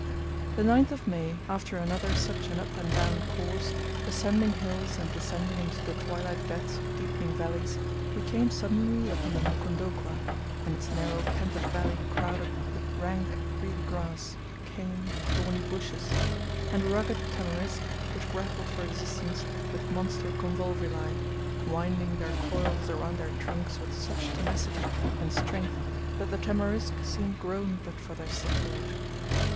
The 9th of May, after another such an up and down course, ascending hills and descending into the twilight depths of deepening valleys, we came suddenly upon the Mukondokwa, and its narrow pent up valley crowded with rank reedy grass, cane, and thorny bushes; and rugged tamarisk which grappled for existence with monster convolvuli, winding their coils around their trunks with such tenacity and strength that the tamarisk seemed grown but for their support.